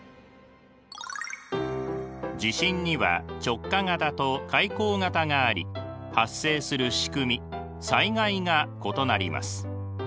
地震には直下型と海溝型があり発生するしくみ災害が異なります。